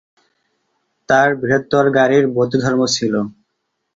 তার "বৃহত্তর গাড়ির বৌদ্ধধর্ম" ছিল।